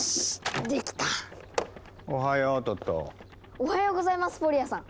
おはようございますフォリアさん！